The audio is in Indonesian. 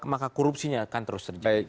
maka korupsinya akan terus terjadi